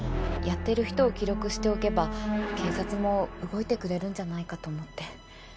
やってる人を記録しておけば警察も動いてくれるんじゃないかと思って。